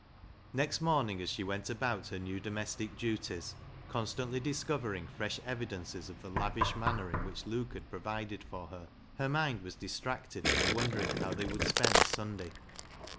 " Next morning, as she went about her new domestic duties, constantly discovering fresh no BECKSIDE LIGHTS evidences of the lavish manner in which Luke had provided for her, her mind was distracted by wondering how they would spend Sunday.